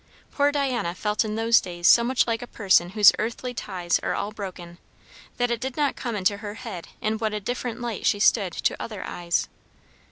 Poor Diana felt in those days so much like a person whose earthly ties are all broken, that it did not come into her head in what a different light she stood to other eyes.